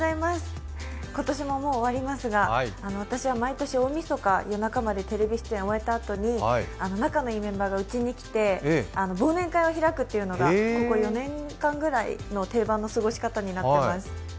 今年ももう終わりますが、私は毎年、大みそか、夜中までテレビ出演を終えたあとに、仲のいいメンバーがうちに来て忘年会を開くというのがここ４年間ぐらいの定番の過ごし方になっています。